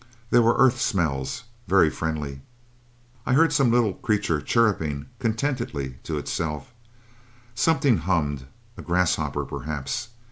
There were earth smells very friendly I heard some little creature chirruping contentedly to itself. Something hummed a grasshopper, perhaps.